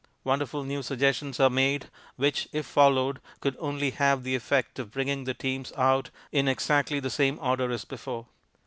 Wonderful new suggestions are made which, if followed, could only have the effect of bringing the teams out in exactly the same order as before.